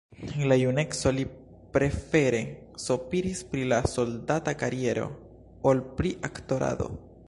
En la juneco li prefere sopiris pri la soldata kariero ol pri aktorado.